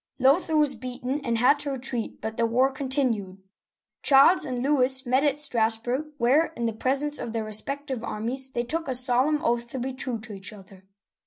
Lothair was beaten and had to retreat, but the war con tinued. Charles and Louis met at Strassburg, where, in the presence of their respective armies, they took a solemn oath to be true to each other.